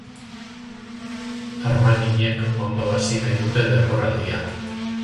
Armaginek ondo hasi nahi dute denboraldia.